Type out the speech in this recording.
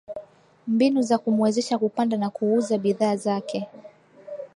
mbinu za kumuwezesha kupanda na kuuza bidhaa zake